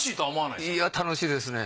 いや楽しいですね。